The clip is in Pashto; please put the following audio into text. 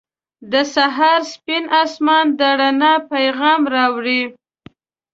• د سهار سپین آسمان د رڼا پیغام راوړي.